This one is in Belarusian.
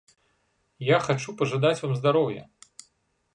Я хачу пажадаць вам здароўя.